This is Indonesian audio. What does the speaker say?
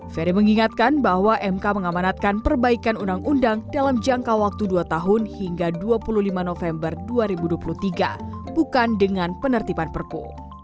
ferry mengingatkan bahwa mk mengamanatkan perbaikan undang undang dalam jangka waktu dua tahun hingga dua puluh lima november dua ribu dua puluh tiga bukan dengan penertiban perpu